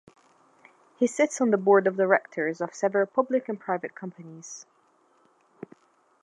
He sits on the board of directors of several public and private companies.